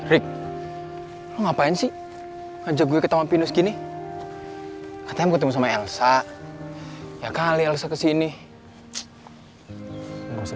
rick ngapain sih ajak gue ketawa pinus gini katanya ketemu sama elsa ya kali alisnya kesini